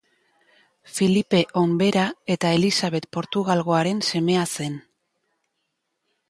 Filipe Onbera eta Elisabet Portugalgoaren semea zen.